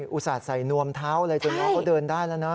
อุตส่าห์ใส่นวมเท้าอะไรจนน้องเขาเดินได้แล้วนะ